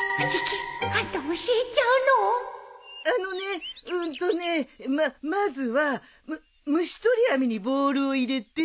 あのねうーんとねまっまずは虫捕り網にボールを入れて。